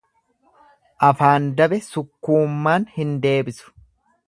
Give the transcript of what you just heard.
Afaan dabe sukkuummaan hin deebisu.